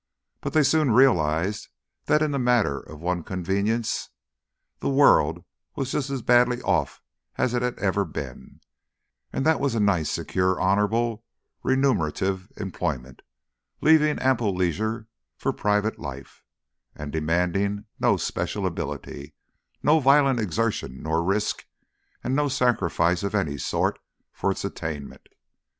But they soon realised that in the matter of one convenience the world was just as badly off as it had ever been, and that was a nice, secure, honourable, remunerative employment, leaving ample leisure for the private life, and demanding no special ability, no violent exertion nor risk, and no sacrifice of any sort for its attainment.